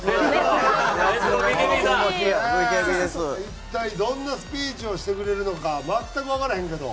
一体どんなスピーチをしてくれるのか全くわからへんけど。